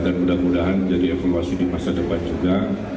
dan mudah mudahan jadi evaluasi di masa depan juga